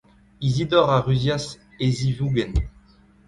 Izidor a ruzias e zivougenn.